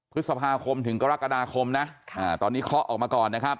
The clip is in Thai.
พฤษภาคมถึงกรกฎาคมนะตอนนี้เคาะออกมาก่อนนะครับ